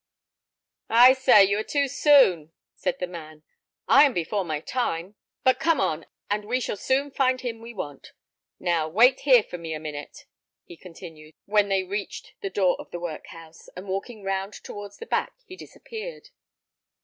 "Ay, sir, you are too soon," said the man. "I am before my time; but come on, and we shall soon find him we want. Now, wait here for me a minute," he continued, when they reached the door of the workhouse; and walking round towards the back, he disappeared.